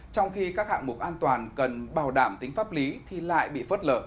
trong khi các hạng mục an toàn cần bảo đảm tính pháp lý thì lại bị phớt lở